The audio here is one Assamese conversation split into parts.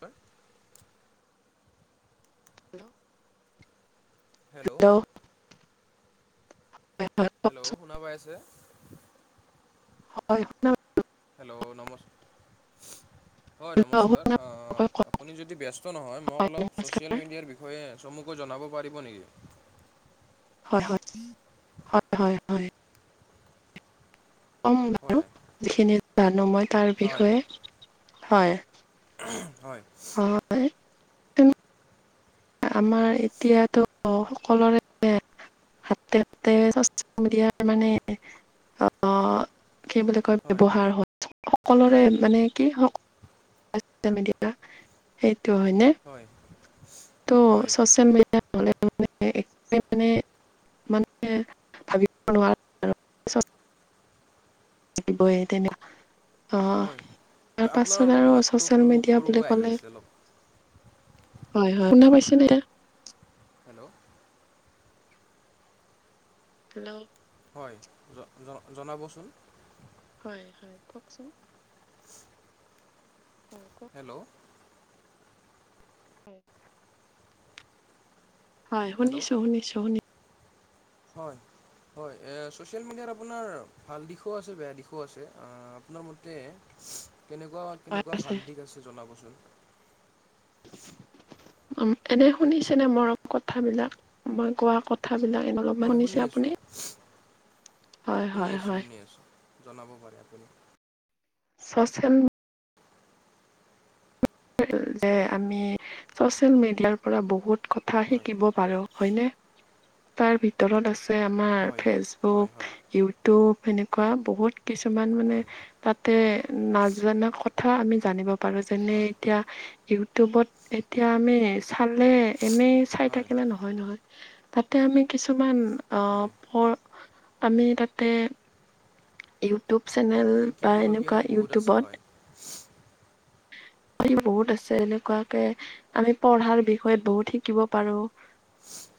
হেল্ল হেল্ল' হেল্ল' হয় হয় হেল্ল' কওকচোন শুনা পাই আছে। হয় হেল্ল' নম হয় হেল্ল' নমস্কাৰ শুনা আ আপুনি যদি ব্যস্ত নহয় মোক হয় অলপ নমস্কাৰ চচিয়েল মিডিয়াৰ বিষয়ে চমুকৈ জনাব পাৰিব নেকি? হয় হয় হয় হয় হয় কম হয় বাৰু যিখিনি জানো মই তাৰ হয় বিষয়ে হয়। হয় হয় আমাৰ এতিয়াতো সকলোৰে হাততে চছিয়েল মিডিয়াৰ মানে অ সেই বুলি কয় হয় ব্যৱহাৰ হয় সকলোৰে মানে কি মেডিয়া সেই হয় ত হয় হয় চচিয়েল মিডিয়া হ'লে মানে [inaudible] মানে মানে ভাবিব নোৱাৰাৰে বয় তেনেকোৱা অ হয় আপোনাৰ তাৰপাছত অলপ আৰু মাতটো ছচিয়েল সৰু মিডিয়া সৰুকৈ বুলি আহি ক'লে আছে অলপ হয় হয় শুনা পাইছে ন। হেল্ল' হেল্ল' জন জন জনাবচোন হয় হয় কওকচোন হয় কওক হেল্ল' উ হয় হেল্ল' শুনিছোঁ শুনিছোঁ শুনিছোঁ। হয় হয় এ ছচিয়েল মিডিয়াৰ আপোনাৰ ভাল দিশো আছে বেয়া দিশো আছে আপোনাৰ মতে কেনেকুৱা কেনেকুৱা ভাল দিশ আছে জনাবচোন। উ এনে শুনিছেনে মৰম কথাবিলাক মই কোৱা কথা কথাবিলাক এনে অলপমান হয় শুনি শুনিছে আছোঁ আপুনি। হয় শুনি হয় আছোঁ হয় শুনি আছোঁ জনাব পাৰে আপুনি। চচিয়েল যে আমি চচিয়েল মিডিয়াৰ পৰা বহুত কথা হয় শিকিব পাৰোঁ। হয়নে তাৰ ভিতৰত আছে আমাৰ হয় হয় ফেচবুক, হয় ইউটিউব। সেনেকুৱা বহুত কিছুমান মানে হয় তাতে হয় নাজানা কথা আমি জানিব। পাৰোঁ যেনে হয় এতিয়া ইউটিউবত এতিয়া আমি চালে এনেই চাই হয় থাকিলে নহয় নহয়। তাতে আমি কিছুমান আহ হয় প আমি তাতে ইউটিউব চেনেল শিকি বা এনেকুৱা শিকিবলগীয়াও বহুত আছে ইউটিউবত হয় [unintelligible] বহুত আছে এনেকুৱাকে আমি পঢ়াৰ বিষয়ত বহুত শিকিব পাৰো।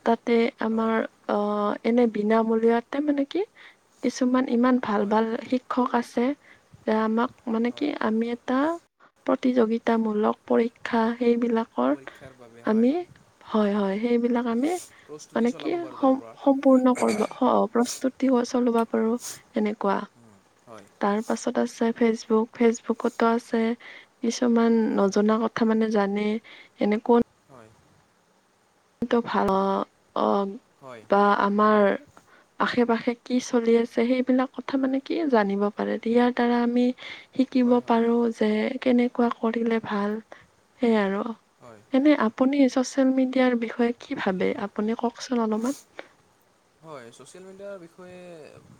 তাতে হয় আমাৰ অ এনে বিনামূলীয়াতে মানে কি কিছুমান ইমান ইমান ভাল হয় ভাল শিক্ষক আছে। এ আমাক মানে হয় কি আমি এটা প্ৰতিযোগিতামূলক পৰীক্ষা সেইবিলাকৰ পৰীক্ষাৰ বাবে হয় আমি হয় হয়, সেইবিলাক আমি প্ৰস্তুতি মানে কি চলাব পাৰোঁ তাৰ সম পৰা সম্পূৰ্ণ কৰিব হ প্ৰস্তুত তিও চলাব পাৰো এনেকুৱা। হয় তাৰ পাছত আছে ফেচবুক, ফেচবুকতো আছে কিছুমান হয় নজনা কথা মানে জান মানে এনেকুৱা হয় ত ভাল অ অ হয় বা আমাৰ [unintelligible] আশে পাশে কি চলি আছে সেইবিলাক কথা মানে কি জানিব পাৰে। ইয়াৰ দ্বাৰা আমি শিকিব হয় হয় পাৰো যে কেনেকুৱা কৰিলে ভাল সেইয়াই আৰু। হয় এনে আপুনি চচিয়েল মেডিয়া য়াৰ বিষয়ে কি ভাবে আপুনি কওকচোন অলপমান? হয় চচিয়েল মেডীয়া বিষয়ে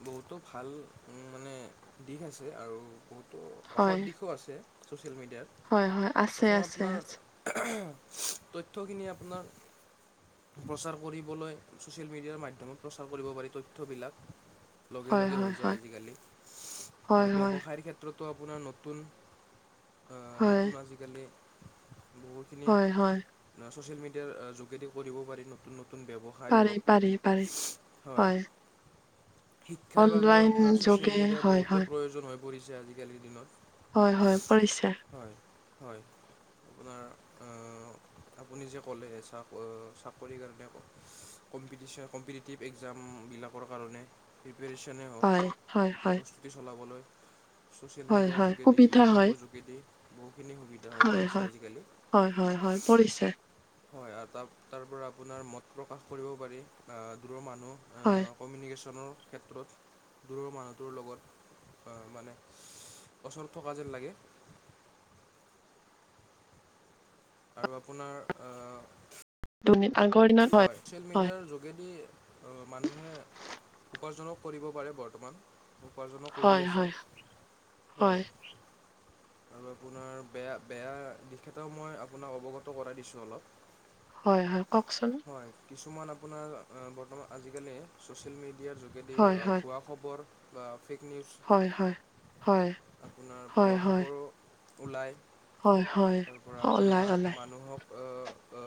বহুতো ভাল মানে দিশ আছে। আৰু ত বহুত ত' অসৎ হয় দিশো আছে ছ'চিয়েল মিডিয়াত। হয় হয় আছে প্ৰথম আছে আপোনাৰ আছে তথ্যখিনি আপোনাক প্ৰচাৰ কৰিবলৈ ছ'চিয়েল মিডিয়া মাধ্যম। সময় প্ৰচাৰ কৰিব পাৰি তথ্যবিলাক লগে হয় লগে হৈ হয় যায় হয় আজিকালি আৰু হয় হয় ব্যৱসায়ৰ ক্ষেত্ৰত ত আপোনাৰ নতুন অ হয় নতুন আজিকালি বহুতখিনি হয় হয় ছ'চিয়েল মিডিয়াৰ যোগেদি কৰিব পাৰি নতুন নতু ন ব্যৱসায় হওক। পাৰে। হয়। শিক্ষাৰ বাবেও অনলাইন আপোনাৰ যোগে ছ'চিয়েল মিডিয়া হয় হয় বহুতেই প্ৰয়োজন হৈ পৰিছে আজিকালিৰ দিনত। হয় হয় পৰিছে। হয় হয়। আপোনাৰ অ আপুনি যে ক'লে চাক চাকৰিৰ কাৰণে ক কম্পিটিচন কম্পিটিটিভ একজামবিলাকৰ কাৰণে প্ৰিপেৰে্চনেই হয় হওক হয় হয় প্ৰস্তুতি চলাবলৈ চচিয়েল হয় মিডিয়াৰ হয় যোগেদি সুবিধা হয় ইউটিউবৰ যোগেদি বহুখিনি সুবিধা হৈ হয় পৰিছে হয় আজিকালি। হয় হয় হয় পৰিছে। হয় আও তা তাৰ পৰা আপোনাৰ মত প্ৰকাশ কৰিব পাৰি। আহ দূৰৰ মানুহ হয় ও কমিউনিকেশ্যনৰ ক্ষেত্ৰত দূৰৰ মানুহটোৰ লগত অহ মানে ওচৰত থকা যেন লাগে। আৰু আপোনাৰ অ। দুৰ্নীতি আগৰ দিনত হয়। ছচিয়েল মিডিয়াৰ যোগেদি মানুহে উপাৰ্জনক কৰিব পাৰে বৰ্তমান উপাৰ্জনো কৰি হয় আছে। হয় হয়। আৰু আপোনাৰ বেয়া বেয়া দিশ কেটাও মই আপোনাক অৱগত কৰাই দিছোঁ অলপ। হয় হয় কওকচোন? হয় কিছুমান আপোনাৰ অ বৰ্তমান আজিকালি ছ'চিয়েল মিডিয়াৰ যোগেদি হয় হয় ভুৱা খবৰ বা ফেক নিউচ হয় হয় হয় আপোনাৰ হয় পোৱা হয় খবৰ ওলায়। হয় হয়। হলাই ওলাই। অ অ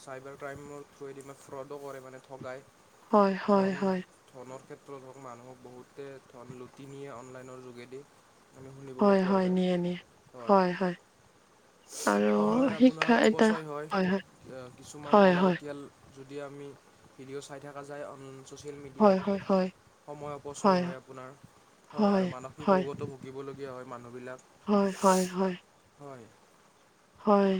চাইবাৰ ক্ৰাইমৰ থ্ৰুৱেদি ইমান ফ্ৰডো কৰে মানে ঠগায়। হয় হয় হয়। ধৰক মানুহক বহুতে ধন লুটি নিয়ে অনলাইনৰ যোগেদি। আমি শুনিবলৈ হয় পোৱা হয় যায় নিয়ে নিয়ে হয় হয়। আৰু সময় আপোনাৰ শিক্ষা এতিয়া অপচয় হয় কিছুমান হয় হয় অলাগতিয়াল যদি আমি ভিডিঅ' চাই থকা যায় অন ছ'চিয়েল হয় মিডিয়াত হয় হয় সময় অপচয় হয় আপোনাৰ হয় আৰু মানসিক ৰোগতো ভুগিবলগীয়া হয় মানুহ বিলাক। হয় হয় হয়। হয়। হয়।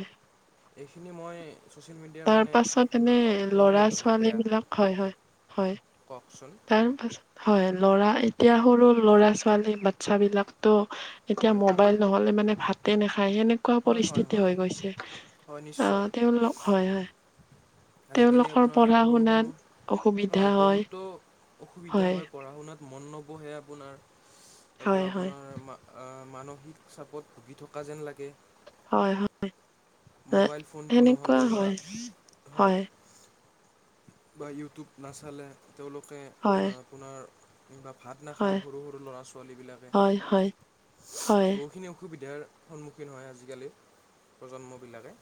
এইখিনি মই। ছ'চিয়েল মিডিয়াৰ তাৰ মানে পাছত এনে আপোনাৰ অ সেই লৰা বুলি ভাবোঁ ছোৱালী বেয়া বিলাক হয় হয়। হয় কওকচোন তাৰ পাছত হয়। ল'ৰা এতিয়া সৰু ল'ৰা ছোৱালী বাতচ্ছা বিলাকতো এতিয়া হয় হয় মোবাইল নহলে মানে ভাতে নাখা। খাই সেনেকোৱা হয় হয় পৰিস্থিতি হয় হৈ গৈছে হয় নিশ্চয় অহ তেওঁলোক হয় হয়। আজিকালি তেওঁলোকৰ আপোনাৰ পঢ়া সৰু সৰু শুনাত অসুবিধা হয় বহুতো অসুবিধা হয় পঢ়া শুনাত মন ন বহে আপোনাৰ তাৰ হয় পৰা হয় আপোনাৰ মা আ। মানসিক চাপত ভুগি থকা যেন লাগে। হয় হয় মোবাইল ফোনটো সেনেকোৱা নহ'লে বা হয়। বা ইউটিউব নাচালে তেওঁলোকে হয় আপোনাৰ। কিবা ভাত নাখায় হয় সৰু সৰু ল'ৰা ছোৱালী বিলাকে হয় হয় হয় বহুখিনি অসুবিধাৰ সন্মুখীন হয় আজিকালি প্ৰজন্মবিলাকে।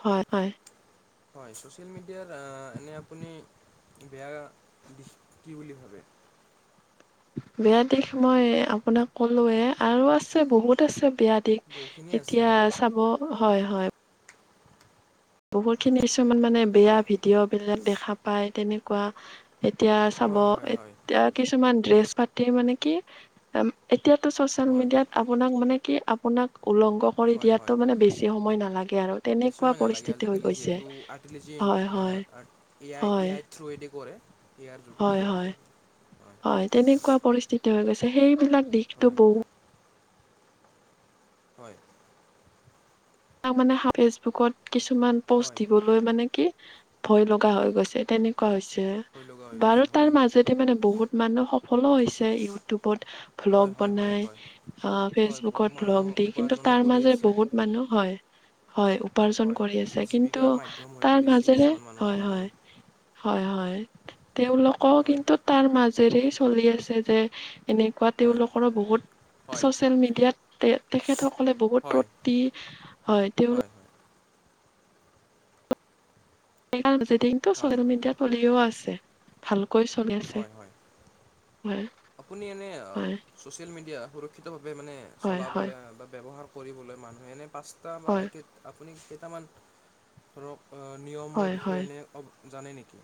হয় হয়। হয় চচিয়েল মিডিয়াৰ আ এনে আপুনি। বেয়া দিশ কি বুলি ভাবে? বেয়া দিশ মই আপোনাক ক'লোৱে আৰু আছে বহুত আছে। বেয়া বহুখিনি দিশ আছে এতিয়া হয় চাব হয় হয়। বহুত খিনি কিছুমান মানে বেয়া হয় ভিডিঅ' বিলাক দেখা পায় তেনেকুৱা। এতিয়া চাব হয় হয় হয় এতিয়া কিছুমান ড্ৰেছ পাতি মানে কি, আম। এতিয়াতো ছ'চিয়েল হয় মিডিয়াত আপোনাক মানে কি আপোনাক উলংঘ কৰি হয় দিয়াতো হয় মানে বেছি সময় নালাগে আৰু তেনেকুৱা পৰিস্থিত। আজি কালি যিহেতুট আৰতিলিজিন ইয়াই হয় ইয়াই থ্ৰু এদি কৰে। এ আইৰ যোগেদি হয় কৰা হয় যায় হয় তেনেকুৱা পৰিস্থিতি হৈ গৈছে। সেইবিলাক দিশতো হয় বহু হয়। তাক মানে ফেচবুকত কিছুমান প'ষ্ট হয় দিবলৈ মানে কি ভয় লগা হৈ গৈছে। তেনেকুৱা হৈছে, ভয় লগা হৈ বাৰু গৈছে তাৰ হয় মাজেদি মানে বহুত মানুহ সফলো হৈছে ইউটোব। বত ভ্লগ হয় হয় হয় বনাই হয় আ হয় বহু ফেচবুকত মানুহ ভ্লগ দি কিন্তু উপাৰ্জনো তাৰ কৰি মাজে আছে বহুত মানুহ হয় হয় উপাৰ্জন হয় কৰি আছে কিন্তু জীৱিকাৰ মাধ্যম হৈ তাৰ পৰিছে মাজেৰে কিছুমান মানুহৰ হয় কাৰণে হয়। হয় হয় তেওঁলোকও হয় কিন্তু তাৰ মাজেৰে চলি আছে যে। এনেকুৱা হয় তেওঁলোকৰো বহুত হয় ছচিয়েল মিডিয়াত তে তেখেতসকলে বহুত হয় প্ৰতি হয় তেওঁ। [inaudible] দিনটো হয় চচিয়েল মিডিয়াত পলিঅ আছে ভাল। হয় হয় হয় আপোনি এনে হয় চছিয়েল মিডিয়া সুৰখিত মানে হয় হয় চলাবলৈ বা ব্যৱহাৰ কৰিবলৈ মানুহে এনে পাঁচটা বা হয় আপুনি কেইটামান ধৰক নিয়মৰ হয় বিষয়ে হয় এনে জানে নেকি?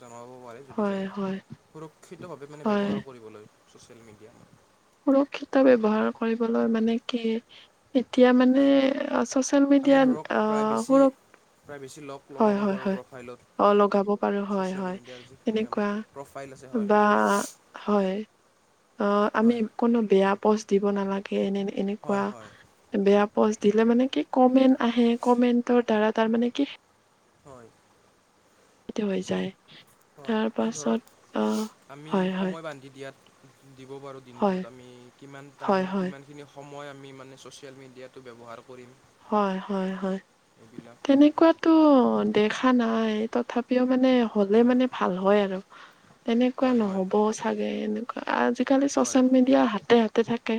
জনাব পাৰে যদি হয় জানে হয় সুৰক্ষিতভাৱে মানে হয় ব্যৱহাৰ কৰিবলৈ চচিয়েল মিডিয়া। সুৰক্ষিত ব্যৱহাৰ কৰিবলৈ মানে কি এতিয়া মানে আচ চেল মিডিয়াত অ সুৰ প্ৰায় বেছি লগ লগাব পাৰোঁ প্ৰফাইলত, অ লগাব পাৰো হয় ছ'চিয়েল হয় মিডিয়াৰ যিখিনি তেনেকুৱা আমাৰ প্ৰফাইল আছে। হয় বা হয় অ আমি হয় কোনো বেয়া পষ্ট দিব নালাগে। এনে এনেকুৱা হয় হয় বেয়া পোষ্ট দিলে মানে কি কমেন্ট আহে কমেন্টৰ দ্বাৰা তাৰ মানে কি হয়। হৈ যায়। হয় তাৰ আৰু পাছত ধৰক আহ আমি হয় হয় সময় বান্ধি দিয়াত দিব পাৰো হয় দিনটোত আমি কিমান টাইম হয় হয় কিমানখিনি সম- মই আমি মানে ছচিয়েল মিডিয়াটো ব্যৱহাৰ কৰিম হয় হয় হয় এইবিলাক তেনেকুৱাতো দেখা নাই তথাপিও মানে হ'লে হয় মানে ভাল হয় আৰু। তেনেকুৱা হয় হয় নহব চাগে, এনেকুৱা আজিকালি হয় চচিয়েল মিডিয়া হাতে হাতে থাকে।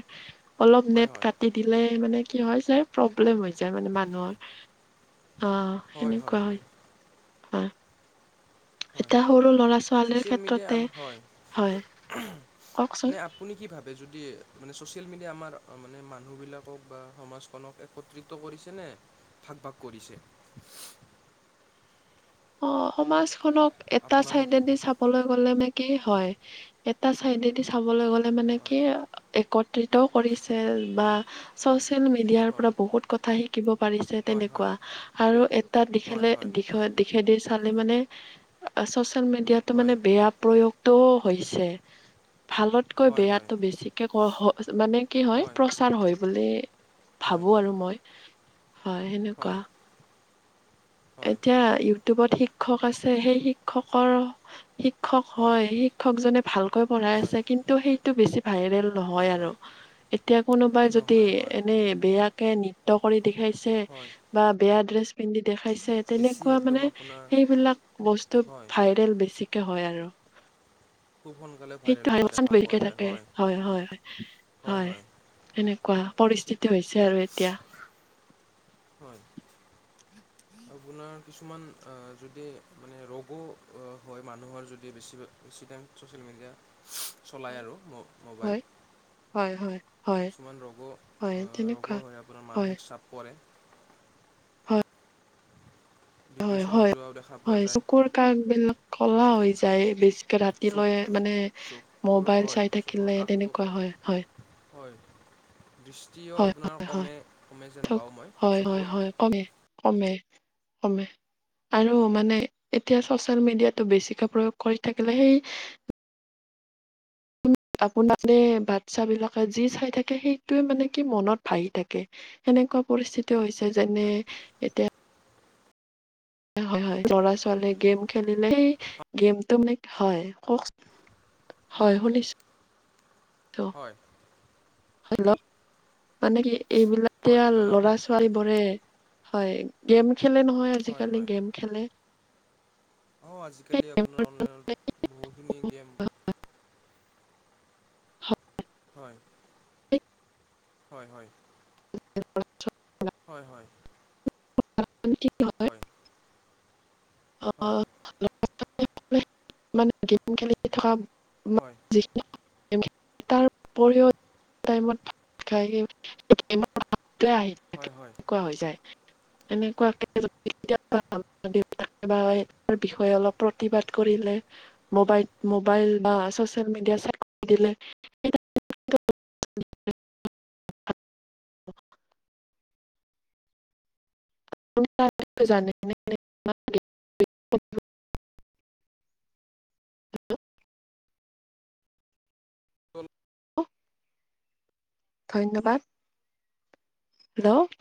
অলপ হয় হয় নেট কাটি দিলে মানে কি হয় যাই প্ৰব্লেম হৈ যায় মানে মানুহৰ। অ সেনেকুৱা হয় অ। হয় এতিয়া সৰু লৰা ছোৱালীৰ ছ'চিয়েল মিডিয়া ক্ষেত্ৰতে আম হয় হয় কওকচোন নে আপুনি কি ভাবে যদি মানে চচিয়েল মিডিয়া আমাৰ মানে মানুহবিলাকক বা সমাজখনক একত্ৰিত কৰিছেনে? ভাগ ভাগ কৰিছে? অ সমাজখনক এটা আপোনাৰ মতে চাইডদি চাবলৈ গ'লে ম কি হয় এটা চাইডেদি চাবলৈ গলে মানে কি হয় একত্ৰিত কৰি বা হয় ছচিয়েল মিডিয়াৰ হয় পৰা বহুত কথা শিকিব পাৰিছে তেনেকুৱা। আৰু এটা দিশেলে দিশত চালে মানে ছৰিয়েল মিডিয়াটো বেয়া প্ৰয়োগ ত হৈছে ভালতকৈ বেয়াটো বেছিকে ক মানে কি হয় প্ৰচাৰ হয় বুলি ভাবো আৰু মই হয় সেনেকুৱা এতিয়া ইউটিউবত শিক্ষক আছে সেই শিক্ষকৰ শিক্ষক হয় শিক্ষকজনে ভালকৈ পঢ়াই আছে কিন্তু সেইটো বেছি ভাইৰেল নহয় আৰু হয় এতিয়া কোনোবাই যদি নহয় হয় এনে বেয়াকে নৃত্য কৰি দেখাইছে হয় বা বেয়া ড্ৰেছ পিন্ধি দেখাইছ বেছি তেনেকুৱা একদম মানে আপোনাৰ সেইবিলাক বস্তু হয় ভাইৰেল বেছি। হয় আৰু খুব সোনকালে সেই ভাইৰেল হোৱা দেখা পোৱা বেছিকে যায় থাকে হয় হয় হয় হয় তেনেকুৱা পৰিস্থিতি হৈছে আৰু এতিয়া হয় আপোনাৰ কিছুমান যদি মানে ৰোগো হয় মানুহৰ যদি বেছি বেছি ছ'চিয়েল মিডিয়া হয় চলায় আৰু হয় মোবাইল হয় হয় হয় কিছুমান ৰগ হয় ৰগ তেনেকুৱা হৈ আপোনাৰ হয় মানসিক চাপ পৰে। হয় হয় ডিপ্ৰেশ্যনত হয় যোৱাও দেখা পোৱা হয় যায় চকুৰ কাষবিলাক কলা হৈ যায় বেছি চকু ৰাতিলৈ মানে চকুৰ মোবাইল হয় চাই চকুৰ থাকিলে কাষটো তেনেকুৱা হয় হয়। হয় দৃষ্টিও হয় আপোনাৰ হয় হয় কমে কমে যেন পাওঁ চকু- মই হয় হয় চকুৰ হয় কমে কমে কমে আৰু মানে এতিয়া চচিয়েল মিডিয়াটো বেছিকৈ প্ৰয়োগ কৰি থাকিলে সেই আপোনাৰে বাচ্ছা বিলাকে যি চাই থাকে সেইটোয়ে মানে কি মনত ভাহি থাকে এনেকুৱা পৰিস্থিতি হৈছে যেনে এ, এতিয়া হয় হয় ল'ৰা ছোৱালীয়ে গেম খেলিলে সেই গেমটো মানে হয় কওঁক হয় শুনিছ হয় হেল্ল' মানে কি এইবিলাক হয় জনাব ল'ৰা ছোৱালীবোৰে হয় গেম খেলে নহয় হয় আজিকালি গেম খেলে অ আজিকালি আপোনাৰ অনলাইনত বহুখিনি গেম হয় হয় [unintelligible] হয় হয় [unintelligible] হয় হয় আ হয় ঘ হয় আহ ল মানে গেম খেলি থকা হয় হয় হয় হয় [unintelligible] [unintelligible] [unintelligible] [unintelligible] অলপ প্ৰতিবাদ কৰিলে মবাই মবাইল বা চচেল [unintelligible] [unintelligible] হেল্ল' অল ধন্যবাদ হেল্ল